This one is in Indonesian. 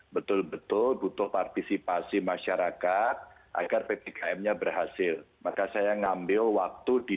betul betul butuh partisipasi masyarakat agar ppkm nya berhasil maka saya ngambil waktu di